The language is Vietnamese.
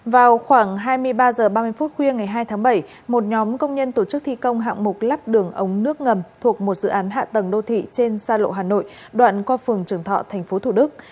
vào khoảng hai mươi ba h ba mươi phút khuya ngày hai tháng bảy một nhóm công nhân tổ chức thi công hạng mục lắp đường ống nước ngầm thuộc một dự án hạ tầng đô thị trên xa lộ hà nội đoạn qua phường trường thọ tp thủ đức